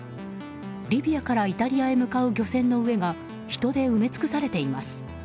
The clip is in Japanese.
リビアからイタリアへ向かう漁船の上が人で埋め尽くされています。